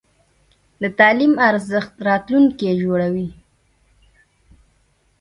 د تعلیم ارزښت د راتلونکي جوړوي.